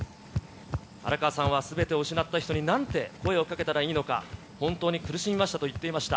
荒川さんはすべてを失った人に、なんて声をかけたらいいのか本当に苦しみましたと言っていました。